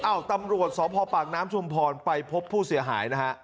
อ้าวตำรวจสภปากน้ำชุมพรไปพบผู้เสียหาย